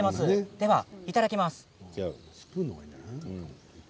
ではいただきます。